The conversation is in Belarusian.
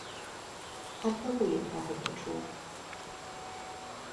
Ад бабулі пра гэта чуў.